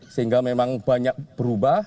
sehingga memang banyak berubah